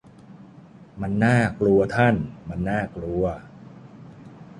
มันน่ากลัวท่าน มันน่ากลัว